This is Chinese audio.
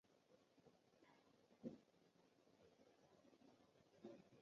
爱尔兰农业与食品发展部的总部位于卡洛的橡树公园社区。